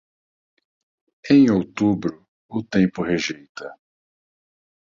Em outubro, o tempo rejeita.